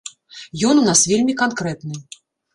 Ён у нас вельмі канкрэтны.